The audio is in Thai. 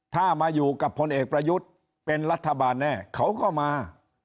ถ้ามาอยู่กับพลเอกประยุทธ์เป็นรัฐบาลแน่เขาก็มา